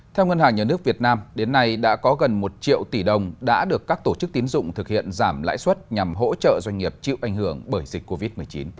theo ngân hàng nhà nước việt nam đến nay đã có gần một triệu tỷ đồng đã được các tổ chức tiến dụng thực hiện giảm lãi suất nhằm hỗ trợ doanh nghiệp chịu ảnh hưởng bởi dịch covid một mươi chín